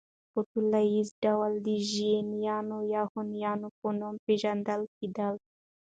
په ټوليز ډول د ژيان يا هونيانو په نوم پېژندل کېدل